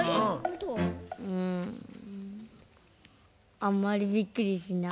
うんあんまりびっくりしない。